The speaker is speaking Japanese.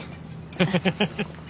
ハハハハ。